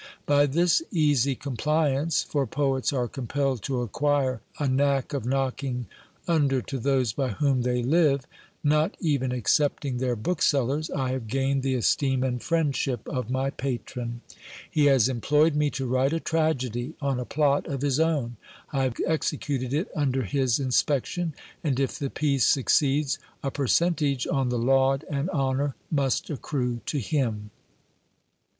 By this easy compliance, for poets are compelled to acquire a knack of knocking under to those by whom they live, not even excepting their booksellers, I have gained the esteem and friendship of my patron. He has employed me to write a tragedy on a plot of his own. I have executed it under his inspection ; and if the piece succeeds, a per centage on the laud and honour must accrue to him.